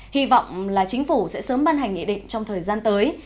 hy vọng là chính phủ sẽ sớm ban hành nghị định trong thời gian tới